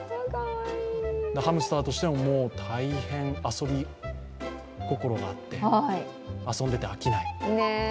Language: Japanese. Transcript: ハムスターとしても大変遊び心があって遊んでいて飽きない。